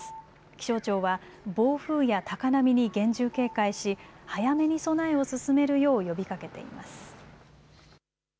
気象庁は暴風や高波に厳重警戒し早めに備えを進めるよう呼びかけています。